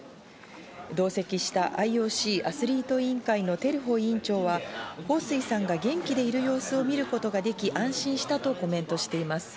同席したＩＯＣアスリート委員会のテルホ委員長はホウ・スイさんが元気でいる様子を見ることができ、安心したとコメントしています。